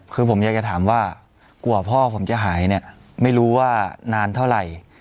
คือผมอยากจะถามว่ากลัวพ่อผมจะหายเนี่ยไม่รู้ว่านานเท่าไหร่